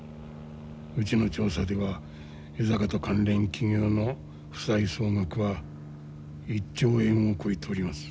うちの調査では江坂と関連企業の負債総額は１兆円を超えております。